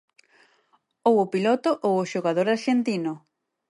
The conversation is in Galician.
Ou o piloto ou o xogador arxentino.